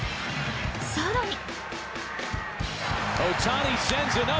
更に。